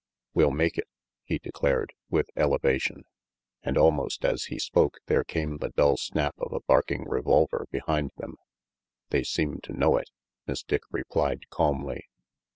"We'll make it," he declared, with elevation; and almost as he spoke there came the dull snap of a barking revolver behind them. "They seem to know it," Miss Dick replied calmly.